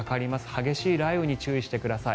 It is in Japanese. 激しい雷雨に注意してください。